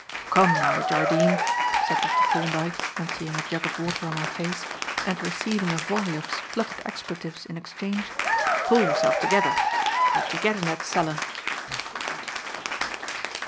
"Come, now, Jardine," said Dr. Thorndyke, emptying a jug of water on my face, and receiving a volley of spluttered expletives in exchange, "pull yourself together. How did you get in that cellar?"